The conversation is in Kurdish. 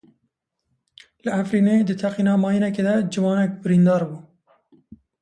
Li Efrînê di teqîna mayînekê de ciwanek birîndar bû.